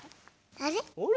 あれ？